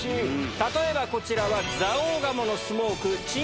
例えばこちらは。